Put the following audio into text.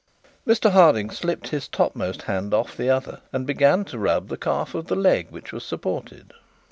Mr Harding slipped his topmost hand off the other, and began to rub the calf of the leg which was supported.